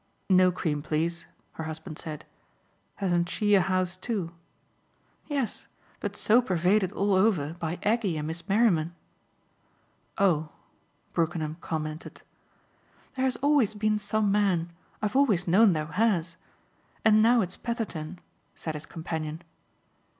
"No cream, please," her husband said. "Hasn't she a house too?" "Yes, but so pervaded all over by Aggie and Miss Merriman." "Oh!" Brookenham commented. "There has always been some man I've always known there has. And now it's Petherton," said his companion.